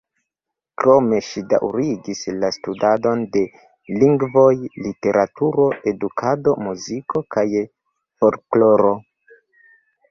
Krome ŝi daŭrigis la studadon de lingvoj, literaturo, edukado, muziko kaj folkloro.